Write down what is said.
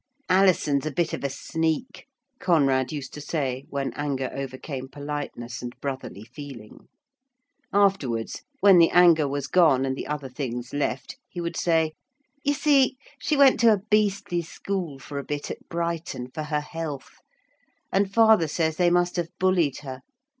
'Alison's a bit of a sneak,' Conrad used to say when anger overcome politeness and brotherly feeling. Afterwards, when the anger was gone and the other things left, he would say, 'You see she went to a beastly school for a bit, at Brighton, for her health. And father says they must have bullied her.